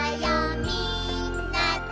みんなで」